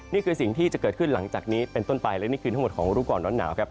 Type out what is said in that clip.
นี่คือสิ่งที่จะเกิดขึ้นหลังจากนี้เป็นต้นไปและนี่คือทั้งหมดของรู้ก่อนร้อนหนาวครับ